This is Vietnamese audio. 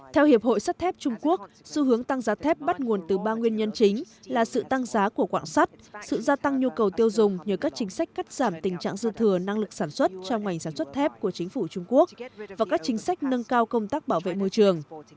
theo hiệp hội sắt thép trung quốc xu hướng tăng giá thép bắt nguồn từ ba nguyên nhân chính là sự tăng giá của quạng sắt sự gia tăng nhu cầu tiêu dùng nhờ các chính sách cắt giảm tình trạng dư thừa năng lực sản xuất trong ngành sản xuất thép của chính phủ trung quốc và các chính sách nâng cao công tác bảo vệ môi trường